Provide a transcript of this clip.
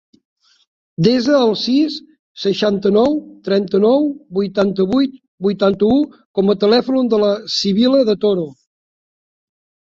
Desa el sis, seixanta-nou, trenta-nou, vuitanta-vuit, vuitanta-u com a telèfon de la Sibil·la De Toro.